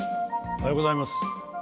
おはようございます。